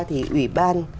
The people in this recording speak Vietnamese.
thì ủy ban